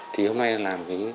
thì hôm nay làm cái